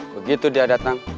begitu dia datang